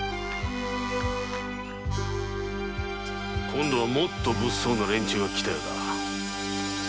今度はもっと物騒な連中が来たようだ。